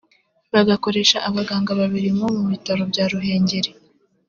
Bagakoresha abaganga babiri bo mu bitaro bya Ruhengeli